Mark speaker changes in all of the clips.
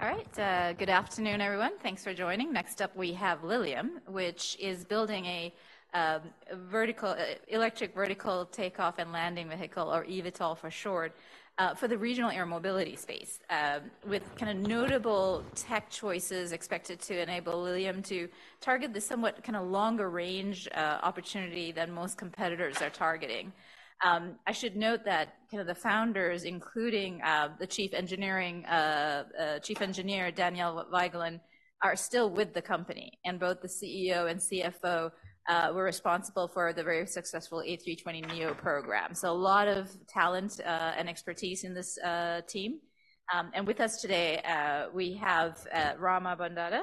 Speaker 1: All right, good afternoon, everyone. Thanks for joining. Next up, we have Lilium, which is building a vertical electric vertical takeoff and landing vehicle, or eVTOL for short, for the regional air mobility space. With kind of notable tech choices expected to enable Lilium to target the somewhat kind of longer range opportunity than most competitors are targeting. I should note that kind of the founders, including the Chief Engineer, Daniel Wiegand, are still with the company, and both the CEO and CFO were responsible for the very successful A320neo program. So a lot of talent and expertise in this team. With us today, we have Rama Bondada,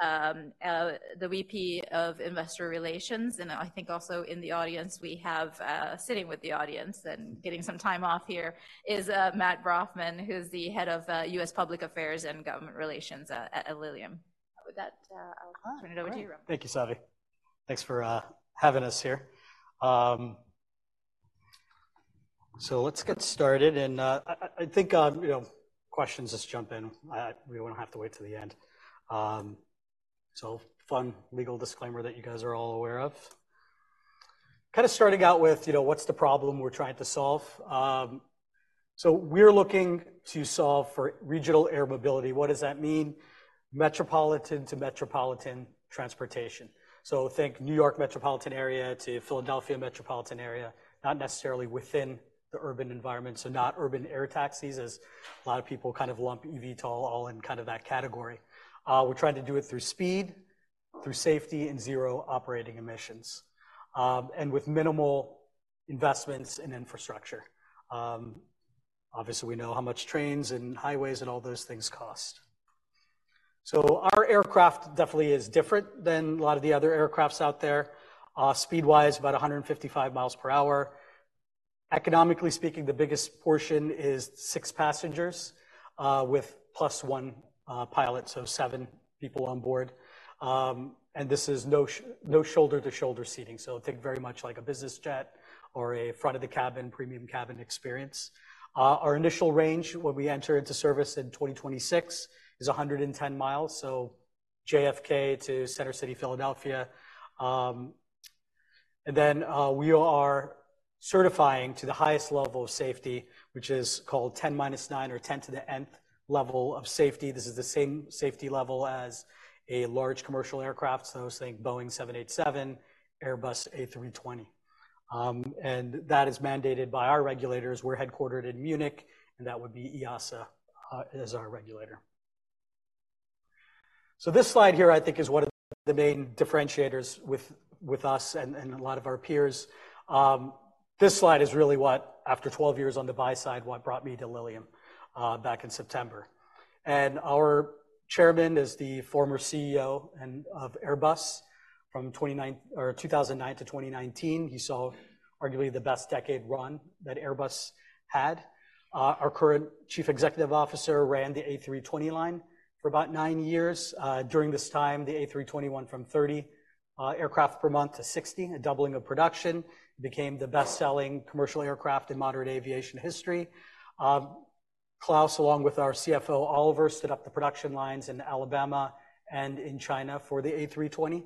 Speaker 1: the VP of Investor Relations, and I think also in the audience, we have sitting with the audience and getting some time off here is Matt Broffman, who's the head of U.S. Public Affairs and Government Relations at Lilium. With that, I'll turn it over to you, Rama.
Speaker 2: Thank you, Savi. Thanks for having us here. So let's get started, and you know, questions, just jump in. We don't have to wait till the end. So fun legal disclaimer that you guys are all aware of. Kind of starting out with, you know, what's the problem we're trying to solve? So we're looking to solve for regional air mobility. What does that mean? Metropolitan to metropolitan transportation. So think New York metropolitan area to Philadelphia metropolitan area, not necessarily within the urban environment, so not urban air taxis, as a lot of people kind of lump eVTOL all in kind of that category. We're trying to do it through speed, through safety, and zero operating emissions, and with minimal investments in infrastructure. Obviously, we know how much trains and highways and all those things cost. So our aircraft definitely is different than a lot of the other aircraft out there. Speed-wise, about 155 miles per hour. Economically speaking, the biggest portion is 6 passengers with plus one pilot, so 7 people on board. This is no shoulder-to-shoulder seating, so think very much like a business jet or a front-of-the-cabin, premium cabin experience. Our initial range, when we enter into service in 2026, is 110 miles, so JFK to Center City, Philadelphia. We are certifying to the highest level of safety, which is called 10⁻⁹ or ten to the ninth level of safety. This is the same safety level as a large commercial aircraft, so think Boeing 787, Airbus A320. And that is mandated by our regulators. We're headquartered in Munich, and that would be EASA as our regulator. So this slide here, I think, is one of the main differentiators with us and a lot of our peers. This slide is really what, after 12 years on the buy side, what brought me to Lilium back in September. And our Chairman is the former CEO of Airbus from 2009 to 2019. He saw arguably the best decade run that Airbus had. Our current Chief Executive Officer ran the A320 line for about 9 years. During this time, the A320 went from 30 aircraft per month to 60, a doubling of production, became the best-selling commercial aircraft in modern aviation history. Klaus, along with our CFO, Oliver, set up the production lines in Alabama and in China for the A320.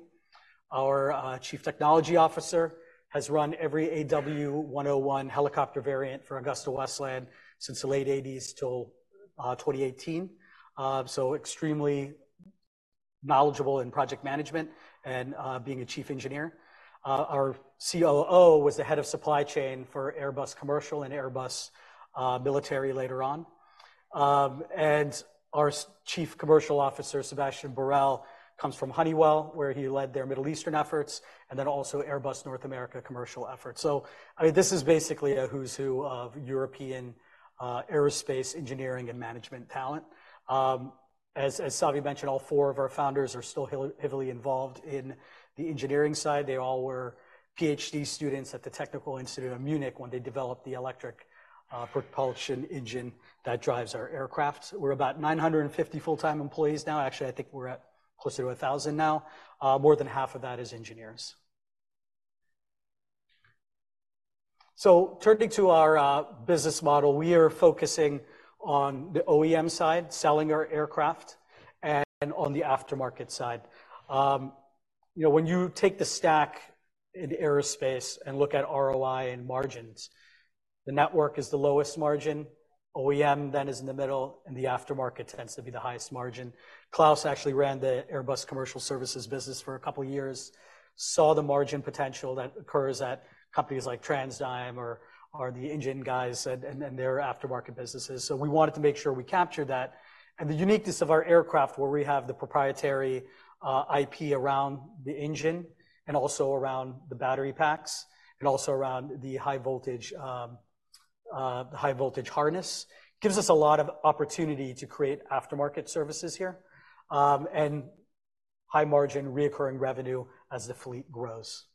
Speaker 2: Our Chief Technology Officer has run every AW101 helicopter variant for AgustaWestland since the late 1980s till 2018. So extremely knowledgeable in project management and being a chief engineer. Our COO was the head of supply chain for Airbus Commercial and Airbus Military later on. And our Chief Commercial Officer, Sebastien Borel, comes from Honeywell, where he led their Middle Eastern efforts, and then also Airbus North America commercial efforts. So, I mean, this is basically a who's who of European aerospace, engineering, and management talent. As Savi mentioned, all four of our founders are still heavily involved in the engineering side. They all were PhD students at the Technical University of Munich when they developed the electric propulsion engine that drives our aircraft. We're about 950 full-time employees now. Actually, I think we're at closer to 1,000 now. More than half of that is engineers. So turning to our business model, we are focusing on the OEM side, selling our aircraft, and on the aftermarket side. You know, when you take the stack in aerospace and look at ROI and margins, the network is the lowest margin, OEM then is in the middle, and the aftermarket tends to be the highest margin. Klaus actually ran the Airbus Commercial Services business for a couple of years, saw the margin potential that occurs at companies like TransDigm or the Engine guys and their aftermarket businesses. So we wanted to make sure we captured that. The uniqueness of our aircraft, where we have the proprietary IP around the engine, and also around the battery packs, and also around the high voltage the high voltage harness, gives us a lot of opportunity to create aftermarket services here and high margin reoccurring revenue as the fleet grows.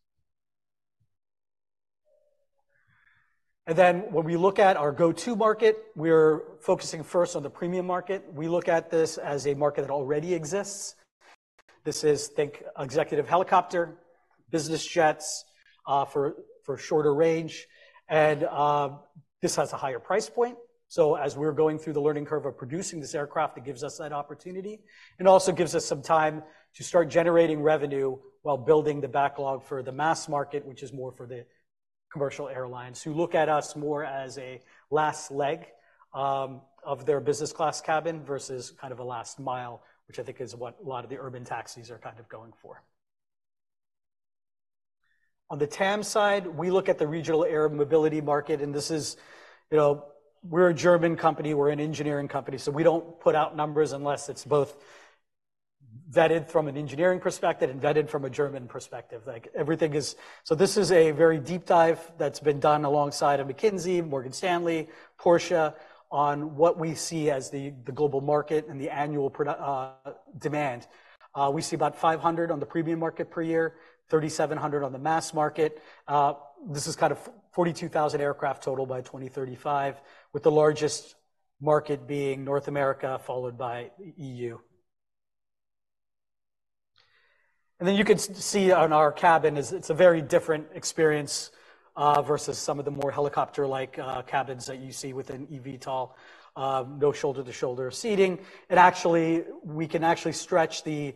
Speaker 2: Then when we look at our go-to market, we're focusing first on the premium market. We look at this as a market that already exists... This is, think, executive helicopter, business jets for shorter range. This has a higher price point. So as we're going through the learning curve of producing this aircraft, it gives us that opportunity. It also gives us some time to start generating revenue while building the backlog for the mass market, which is more for the commercial airlines, who look at us more as a last leg of their business class cabin versus kind of a last mile, which I think is what a lot of the urban taxis are kind of going for. On the TAM side, we look at the regional air mobility market, and this is, you know, we're a German company, we're an engineering company, so we don't put out numbers unless it's both vetted from an engineering perspective and vetted from a German perspective. So this is a very deep dive that's been done alongside of McKinsey, Morgan Stanley, Porsche, on what we see as the global market and the annual demand. We see about 500 on the premium market per year, 3,700 on the mass market. This is kind of 42,000 aircraft total by 2035, with the largest market being North America, followed by E.U. And then you can see on our cabin, it's a very different experience versus some of the more helicopter-like cabins that you see within eVTOL. No shoulder-to-shoulder seating. It actually. We can actually stretch the.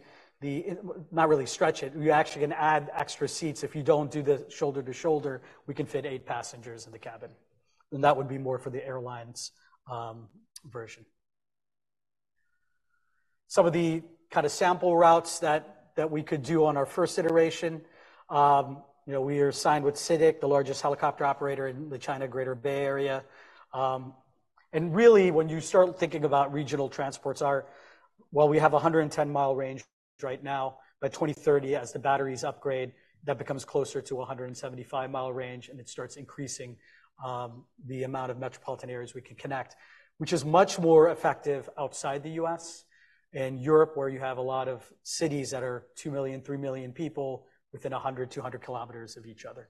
Speaker 2: Not really stretch it, you actually can add extra seats. If you don't do the shoulder-to-shoulder, we can fit eight passengers in the cabin, and that would be more for the airlines version. Some of the kind of sample routes that we could do on our first iteration. You know, we are signed with CITIC, the largest helicopter operator in the China Greater Bay Area. And really, when you start thinking about regional transports are, well, we have a 110-mile range right now. By 2030, as the batteries upgrade, that becomes closer to a 175-mile range, and it starts increasing the amount of metropolitan areas we can connect, which is much more effective outside the U.S. and Europe, where you have a lot of cities that are 2 million-3 million people within 100-200 kilometers of each other.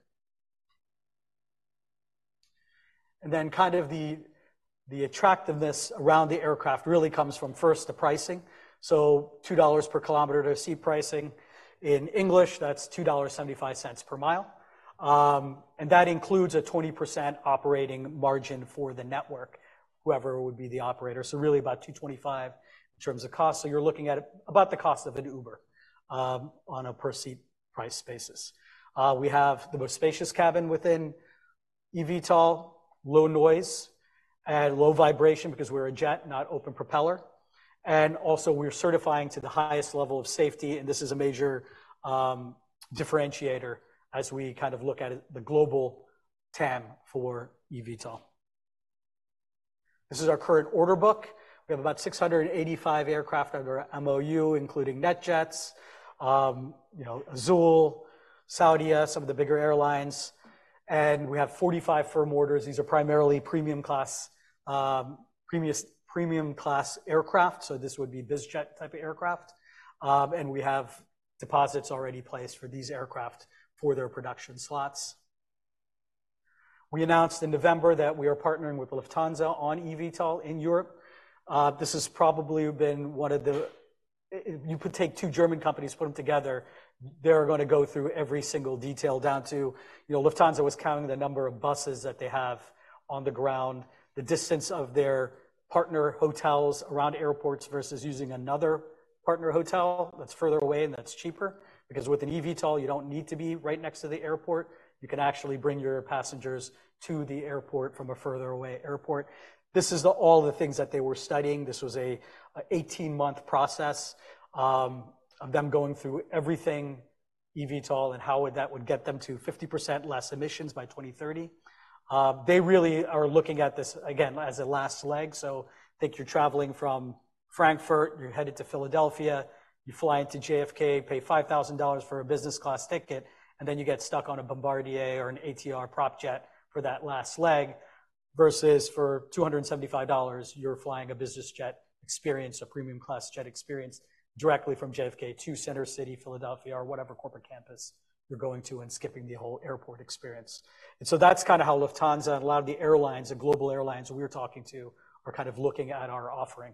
Speaker 2: And then kind of the attractiveness around the aircraft really comes from, first, the pricing. So $2 per kilometer to a seat pricing. In English, that's $2.75 per mile. And that includes a 20% operating margin for the network, whoever would be the operator. So really about $2.25 in terms of cost. So you're looking at about the cost of an Uber, on a per-seat price basis. We have the most spacious cabin within eVTOL, low noise, and low vibration because we're a jet, not open propeller. And also, we're certifying to the highest level of safety, and this is a major differentiator as we kind of look at it, the global TAM for eVTOL. This is our current order book. We have about 685 aircraft under MOU, including NetJets, you know, Azul, Saudia, some of the bigger airlines, and we have 45 firm orders. These are primarily premium class, premium class aircraft, so this would be biz jet type of aircraft. And we have deposits already placed for these aircraft for their production slots. We announced in November that we are partnering with Lufthansa on eVTOL in Europe. This has probably been one of the... You could take two German companies, put them together, they're going to go through every single detail, down to, you know, Lufthansa was counting the number of buses that they have on the ground, the distance of their partner hotels around airports, versus using another partner hotel that's further away and that's cheaper. Because with an eVTOL, you don't need to be right next to the airport. You can actually bring your passengers to the airport from a further away airport. This is all the things that they were studying. This was an 18-month process of them going through everything eVTOL, and how that would get them to 50% less emissions by 2030. They really are looking at this, again, as a last leg. So think you're traveling from Frankfurt, you're headed to Philadelphia, you fly into JFK, pay $5,000 for a business class ticket, and then you get stuck on a Bombardier or an ATR prop jet for that last leg, versus for $275, you're flying a business jet experience, a premium class jet experience, directly from JFK to Center City, Philadelphia, or whatever corporate campus you're going to, and skipping the whole airport experience. And so that's kind of how Lufthansa and a lot of the airlines, the global airlines we're talking to, are kind of looking at our offering,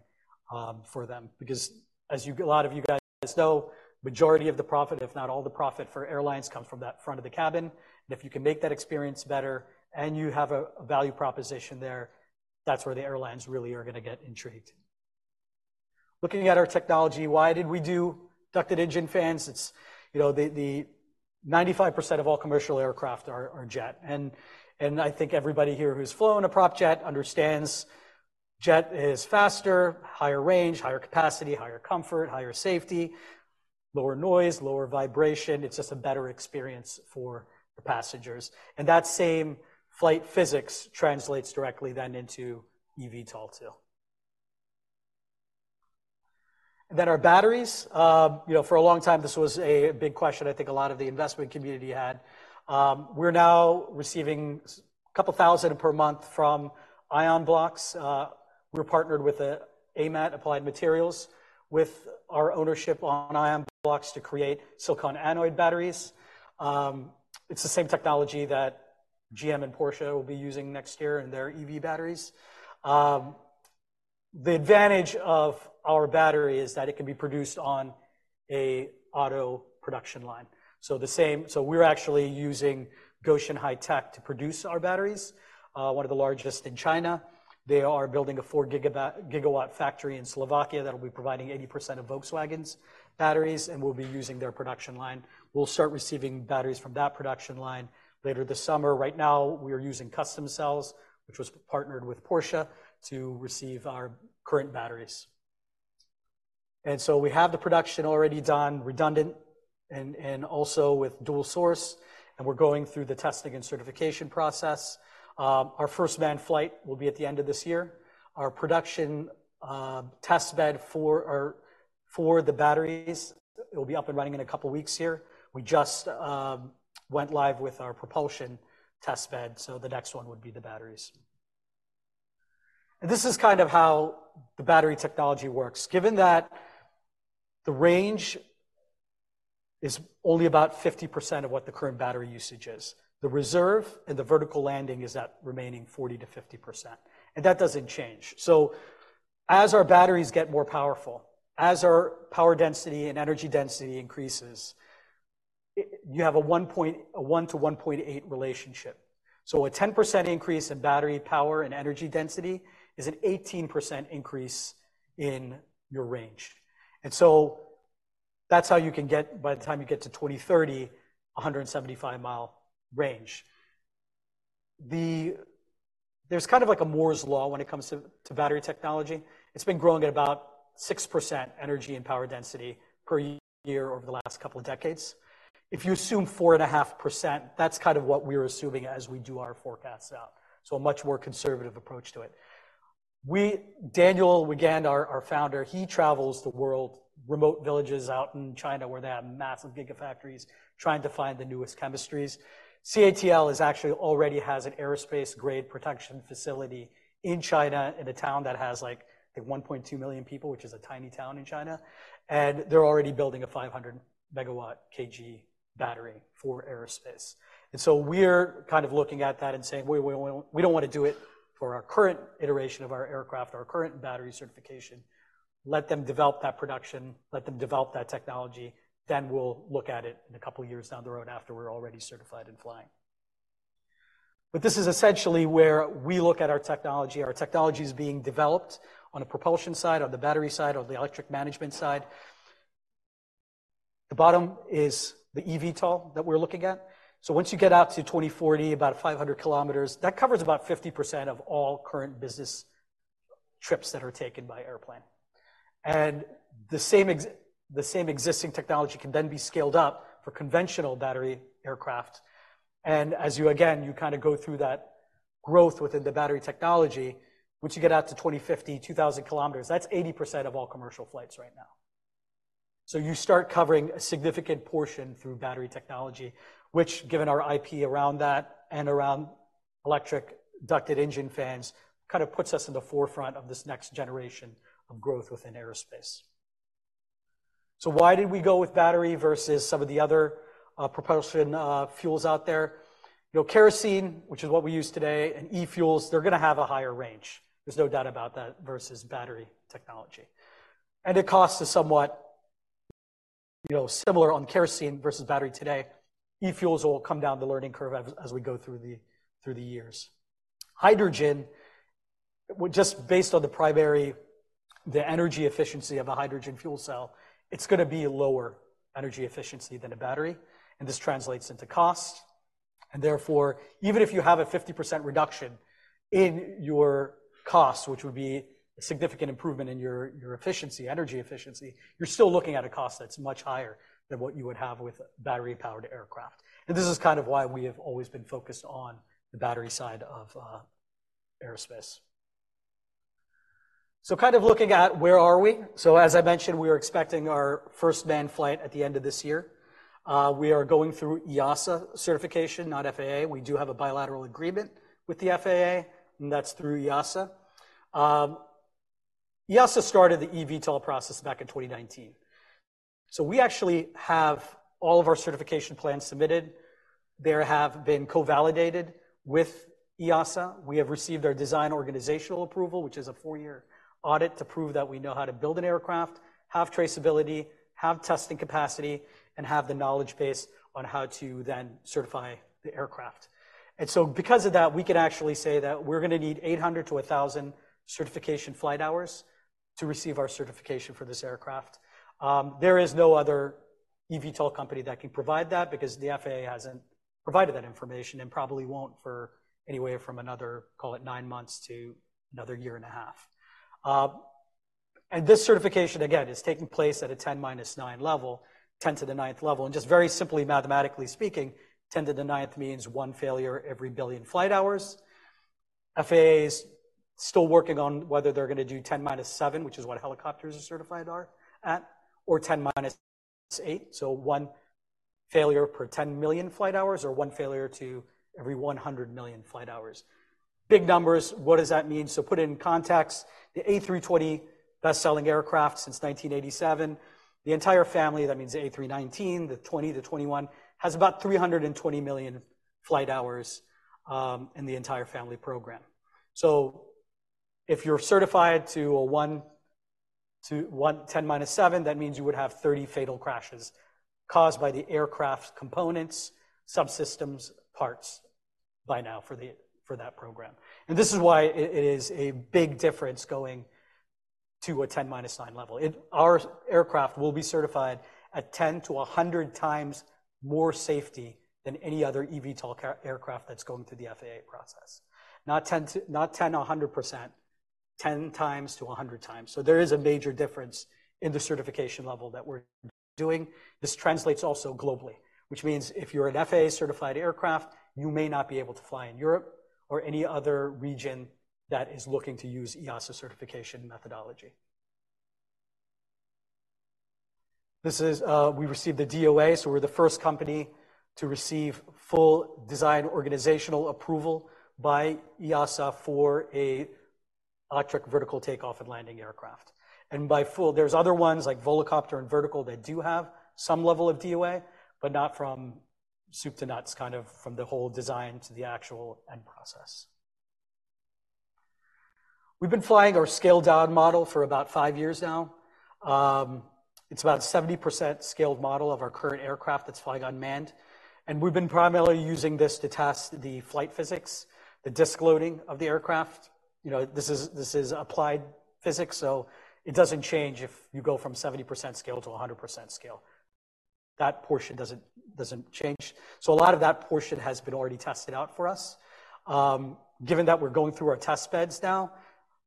Speaker 2: for them. Because, as a lot of you guys know, majority of the profit, if not all the profit, for airlines come from that front of the cabin. And if you can make that experience better, and you have a value proposition there, that's where the airlines really are going to get intrigued. Looking at our technology, why did we do ducted engine fans? It's, you know, the 95% of all commercial aircraft are jet. And I think everybody here who's flown a prop jet understands jet is faster, higher range, higher capacity, higher comfort, higher safety, lower noise, lower vibration. It's just a better experience for the passengers. And that same flight physics translates directly then into eVTOL too. Then our batteries, you know, for a long time, this was a big question I think a lot of the investment community had. We're now receiving a couple thousand per month from Ionblox. We're partnered with the AMAT, Applied Materials, with our ownership on Ionblox to create silicon anode batteries. It's the same technology that GM and Porsche will be using next year in their EV batteries. The advantage of our battery is that it can be produced on an auto production line. So we're actually using Gotion High-Tech to produce our batteries, one of the largest in China. They are building a 4 gigawatt factory in Slovakia that will be providing 80% of Volkswagen's batteries, and we'll be using their production line. We'll start receiving batteries from that production line later this summer. Right now, we are using custom cells, which was partnered with Porsche, to receive our current batteries. And so we have the production already done, redundant, and also with dual source, and we're going through the testing and certification process. Our first manned flight will be at the end of this year. Our production test bed for our batteries will be up and running in a couple of weeks here. We just went live with our propulsion test bed, so the next one would be the batteries. And this is kind of how the battery technology works. Given that the range is only about 50% of what the current battery usage is, the reserve and the vertical landing is that remaining 40%-50%, and that doesn't change. So as our batteries get more powerful, as our power density and energy density increases, you have a 1 to 1.8 relationship. So a 10% increase in battery power and energy density is an 18% increase in your range. And so that's how you can get, by the time you get to 2030, a 175-mile range. There's kind of like a Moore's law when it comes to battery technology. It's been growing at about 6% energy and power density per year over the last couple of decades. If you assume 4.5%, that's kind of what we are assuming as we do our forecasts out. So a much more conservative approach to it. We, Daniel Wiegand, our founder, he travels the world, remote villages out in China, where they have massive gigafactories, trying to find the newest chemistries. CATL is actually already has an aerospace-grade producion facility in China, in a town that has, like, 1.2 million people, which is a tiny town in China, and they're already building a 500 megawatt kg battery for aerospace. And so we're kind of looking at that and saying, "We don't want to do it for our current iteration of our aircraft, our current battery certification." Let them develop that production, let them develop that technology, then we'll look at it in a couple of years down the road after we're already certified and flying. But this is essentially where we look at our technology. Our technology is being developed on a propulsion side, on the battery side, on the electric management side. The bottom is the EVTOL that we're looking at. So once you get out to 2040, about 500 km, that covers about 50% of all current business trips that are taken by airplane. And the same existing technology can then be scaled up for conventional battery aircraft. And as you again, you kinda go through that growth within the battery technology, once you get out to 2050, 2,000 km, that's 80% of all commercial flights right now. So you start covering a significant portion through battery technology, which, given our IP around that and around electric ducted engine fans, kind of puts us in the forefront of this next generation of growth within aerospace. So why did we go with battery versus some of the other propulsion fuels out there? You know, kerosene, which is what we use today, and e-fuels, they're gonna have a higher range. There's no doubt about that versus battery technology. And it costs us somewhat, you know, similar on kerosene versus battery today. E-fuels will come down the learning curve as we go through the years. Hydrogen, well, just based on the primary, the energy efficiency of a hydrogen fuel cell, it's gonna be lower energy efficiency than a battery, and this translates into cost. And therefore, even if you have a 50% reduction in your cost, which would be a significant improvement in your efficiency, energy efficiency, you're still looking at a cost that's much higher than what you would have with a battery-powered aircraft. And this is kind of why we have always been focused on the battery side of aerospace. So kind of looking at where are we? So as I mentioned, we are expecting our first manned flight at the end of this year. We are going through EASA certification, not FAA. We do have a bilateral agreement with the FAA, and that's through EASA. EASA started the eVTOL process back in 2019. So we actually have all of our certification plans submitted. They have been co-validated with EASA. We have received our Design Organization Approval, which is a four-year audit, to prove that we know how to build an aircraft, have traceability, have testing capacity, and have the knowledge base on how to then certify the aircraft. And so because of that, we can actually say that we're gonna need 800-1,000 certification flight hours to receive our certification for this aircraft. There is no other eVTOL company that can provide that because the FAA hasn't provided that information and probably won't for anywhere from another, call it 9 months to another year and a half. This certification, again, is taking place at a 10⁻⁹ level, 10 to the ninth level, and just very simply, mathematically speaking, 10 to the ninth means one failure every billion flight hours. FAA is still working on whether they're gonna do 10⁻⁷, which is what helicopters are certified at, or 10⁻⁸, so one failure per 10 million flight hours, or one failure every 100 million flight hours. Big numbers, what does that mean? So put it in context, the A320, best-selling aircraft since 1987, the entire family, that means the A319, the 20, the 21, has about 320 million-... flight hours in the entire family program. So if you're certified to a 1 in 10^{-7}, that means you would have 30 fatal crashes caused by the aircraft's components, subsystems, parts, by now for that program. And this is why it is a big difference going to a 10^{-9} level. Our aircraft will be certified at 10 to 100 times more safety than any other eVTOL aircraft that's going through the FAA process. Not ten or a hundred percent, 10 times to 100 times. So there is a major difference in the certification level that we're doing. This translates also globally, which means if you're an FAA-certified aircraft, you may not be able to fly in Europe or any other region that is looking to use EASA certification methodology. This is, we received the DOA, so we're the first company to receive full Design Organization Approval by EASA for an electric vertical takeoff and landing aircraft. And by full, there's other ones like Volocopter and Vertical that do have some level of DOA, but not from soup to nuts, kind of from the whole design to the actual end process. We've been flying our scaled-down model for about 5 years now. It's about 70% scaled model of our current aircraft that's flying unmanned, and we've been primarily using this to test the flight physics, the disc loading of the aircraft. You know, this is, this is applied physics, so it doesn't change if you go from 70% scale to a 100% scale. That portion doesn't, doesn't change. So a lot of that portion has been already tested out for us. Given that we're going through our test beds now,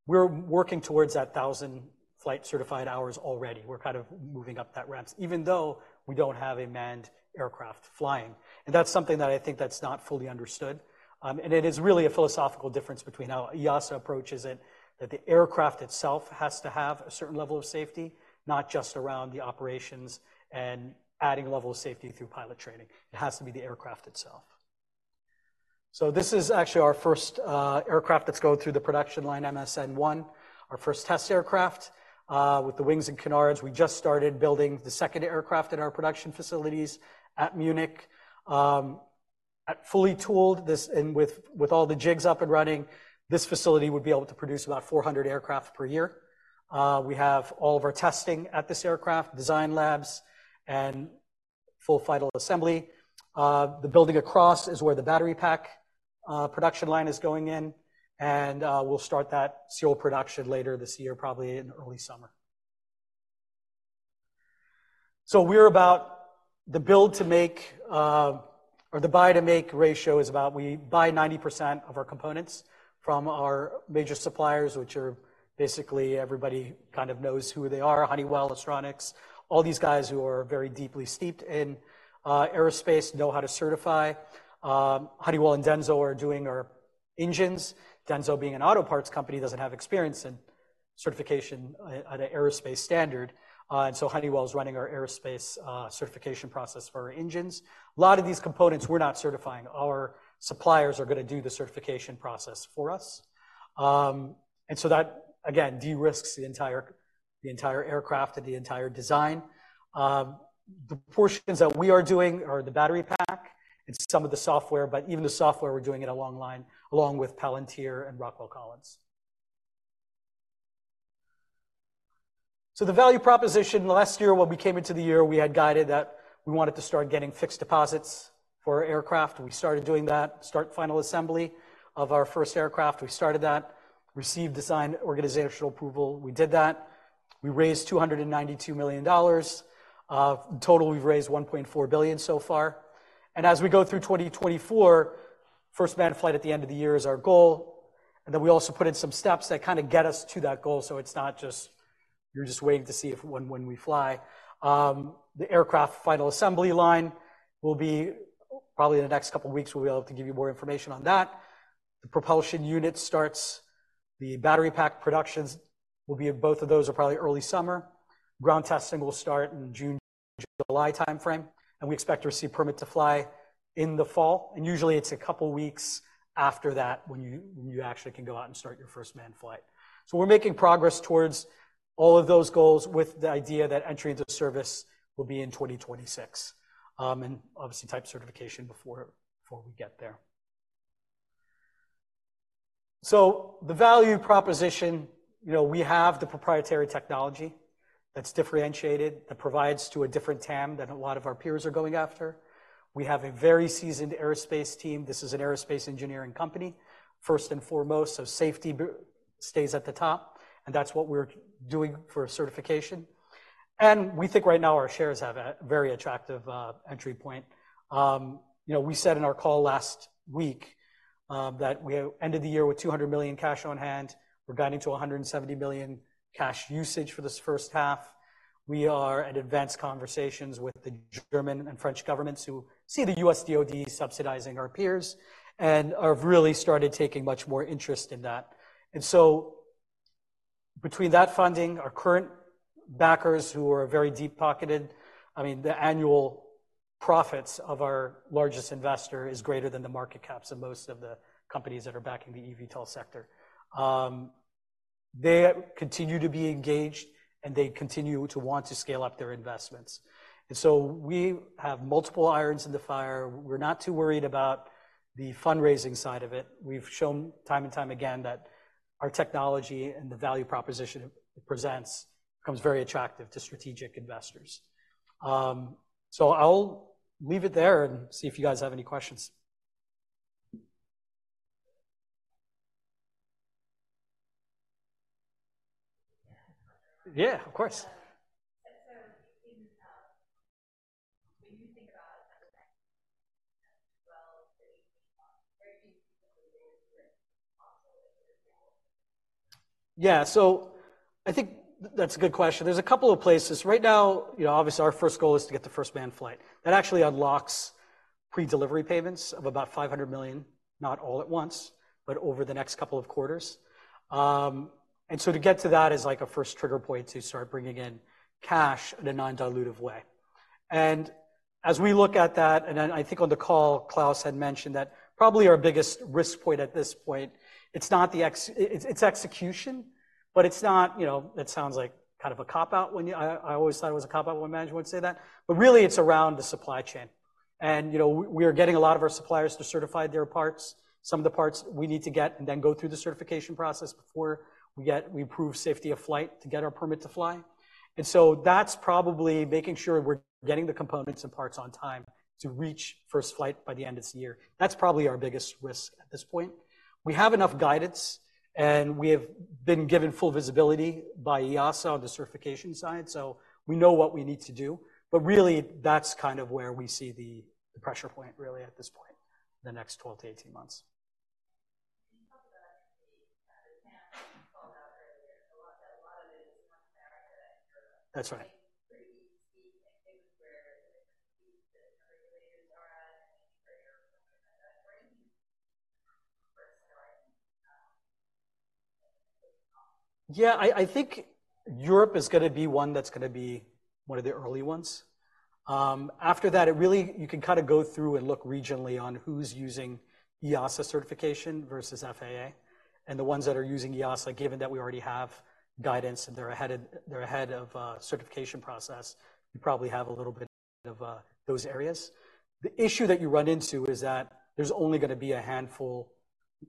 Speaker 2: we're working towards that 1,000 flight-certified hours already. We're kind of moving up that ramp, even though we don't have a manned aircraft flying. And that's something that I think that's not fully understood. And it is really a philosophical difference between how EASA approaches it, that the aircraft itself has to have a certain level of safety, not just around the operations and adding level of safety through pilot training. It has to be the aircraft itself. So this is actually our first aircraft that's going through the production line, MSN 1, our first test aircraft with the wings and canards. We just started building the second aircraft in our production facilities at Munich. At fully tooled this, and with all the jigs up and running, this facility would be able to produce about 400 aircraft per year. We have all of our testing at this aircraft, design labs, and full final assembly. The building across is where the battery pack production line is going in, and we'll start that serial production later this year, probably in early summer. So we're about the build to make or the buy to make ratio is about we buy 90% of our components from our major suppliers, which are basically everybody kind of knows who they are, Honeywell, Astronics. All these guys who are very deeply steeped in aerospace know how to certify. Honeywell and Denso are doing our engines. Denso, being an auto parts company, doesn't have experience in certification at an aerospace standard, and so Honeywell is running our aerospace certification process for our engines. A lot of these components, we're not certifying. Our suppliers are going to do the certification process for us. So that, again, de-risks the entire aircraft and the entire design. The portions that we are doing are the battery pack and some of the software, but even the software, we're doing it along with Palantir and Rockwell Collins. So the value proposition: last year, when we came into the year, we had guided that we wanted to start getting fixed deposits for our aircraft. We started doing that, start final assembly of our first aircraft. We started that, received Design Organization Approval. We did that. We raised $292 million. In total, we've raised $1.4 billion so far. As we go through 2024, first manned flight at the end of the year is our goal, and then we also put in some steps that kind of get us to that goal. So it's not just you're just waiting to see if, when, when we fly. The aircraft final assembly line will be, probably in the next couple of weeks, we'll be able to give you more information on that. The propulsion unit starts, the battery pack productions will be both of those are probably early summer. Ground testing will start in June-July timeframe, and we expect to receive permit to fly in the fall. Usually, it's a couple weeks after that when you, you actually can go out and start your first manned flight. So we're making progress towards all of those goals with the idea that entry into service will be in 2026, and obviously, type certification before we get there. So the value proposition, you know, we have the proprietary technology that's differentiated, that provides to a different TAM than a lot of our peers are going after. We have a very seasoned aerospace team. This is an aerospace engineering company, first and foremost, so safety stays at the top, and that's what we're doing for certification. And we think right now our shares have a very attractive entry point. You know, we said in our call last week that we ended the year with 200 million cash on hand. We're guiding to 170 million cash usage for this first half. We are at advanced conversations with the German and French governments who see the U.S. DOD subsidizing our peers and have really started taking much more interest in that. And so between that funding, our current backers, who are very deep-pocketed... I mean, the annual profits of our largest investor is greater than the market caps of most of the companies that are backing the eVTOL sector. They continue to be engaged, and they continue to want to scale up their investments. And so we have multiple irons in the fire. We're not too worried about the fundraising side of it. We've shown time and time again that our technology and the value proposition it presents becomes very attractive to strategic investors. I'll leave it there and see if you guys have any questions. Yeah, of course.
Speaker 1: And so when you think about it as well, or you think
Speaker 2: Yeah, so I think that's a good question. There's a couple of places. Right now, you know, obviously, our first goal is to get the first manned flight. That actually unlocks pre-delivery payments of about $500 million, not all at once, but over the next couple of quarters. And so to get to that is like a first trigger point to start bringing in cash in a non-dilutive way. And as we look at that, and then I think on the call, Klaus had mentioned that probably our biggest risk point at this point. It's not execution, but it's not, you know, it sounds like kind of a cop-out when I always thought it was a cop-out when management would say that, but really, it's around the supply chain. You know, we are getting a lot of our suppliers to certify their parts, some of the parts we need to get and then go through the certification process before we get, we prove safety of flight to get our permit to fly. So that's probably making sure we're getting the components and parts on time to reach first flight by the end of this year. That's probably our biggest risk at this point. We have enough guidance, and we have been given full visibility by EASA on the certification side, so we know what we need to do. But really, that's kind of where we see the pressure point, really, at this point, in the next 12-18 months.
Speaker 1: You talked about the panel you called out earlier a lot, that a lot of it is much better than Europe.
Speaker 2: That's right.
Speaker 1: Pretty easy things where the regulators are at, I think, are you?
Speaker 2: Yeah, I think Europe is gonna be one that's gonna be one of the early ones. After that, it really, you can kind of go through and look regionally on who's using EASA certification versus FAA, and the ones that are using EASA, given that we already have guidance, and they're ahead of a certification process, you probably have a little bit of those areas. The issue that you run into is that there's only gonna be a handful,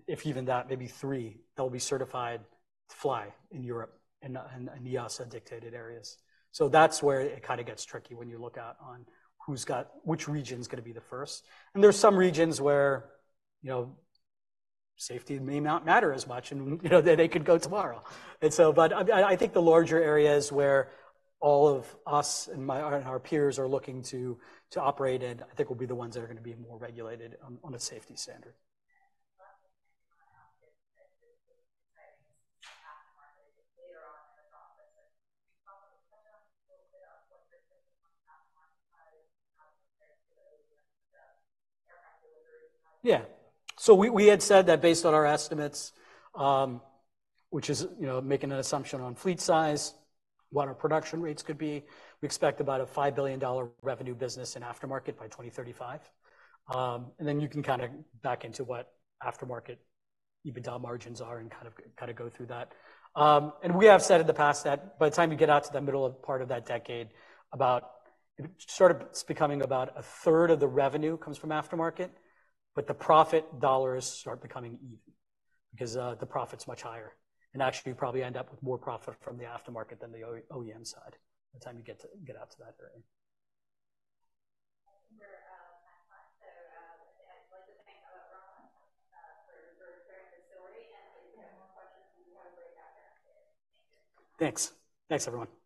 Speaker 2: if even that, maybe three, that will be certified to fly in Europe and EASA-dictated areas. So that's where it kind of gets tricky when you look out on who's got which region is gonna be the first. And there are some regions where, you know, safety may not matter as much, and, you know, they could go tomorrow. I think the larger areas where all of us and our peers are looking to operate in will be the ones that are gonna be more regulated on a safety standard. Yeah. So we had said that based on our estimates, which is, you know, making an assumption on fleet size, what our production rates could be, we expect about a $5 billion revenue business in aftermarket by 2035. And then you can kind of back into what aftermarket EBITDA margins are and kind of go through that. We have said in the past that by the time you get out to the middle of part of that decade, about sort of it's becoming about a third of the revenue comes from aftermarket, but the profit dollars start becoming even because the profit's much higher. And actually, you probably end up with more profit from the aftermarket than the OEM side, by the time you get out to that area.
Speaker 1: We're out of time, so, I'd like to thank Rama for sharing his story, and if you have more questions, we want to bring back then. Thank you.
Speaker 2: Thanks. Thanks, everyone.